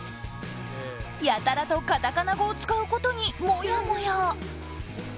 やたらとカタカナ語を使うことに、もやもや。